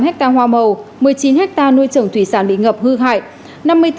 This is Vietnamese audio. một mươi chín ha nuôi trưởng thủy sản bị ngập hư hại